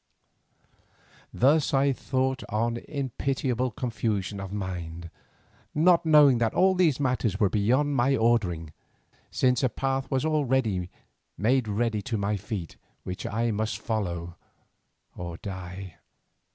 Thus I thought on in pitiable confusion of mind, not knowing that all these matters were beyond my ordering, since a path was already made ready to my feet, which I must follow or die.